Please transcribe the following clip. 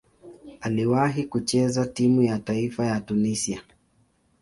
Aliwahi kucheza timu ya taifa ya Tunisia.